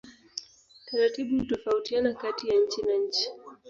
Taratibu hutofautiana kati ya nchi na nchi.